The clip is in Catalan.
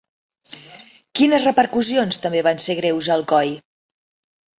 Quines repercussions també van ser greus a Alcoi?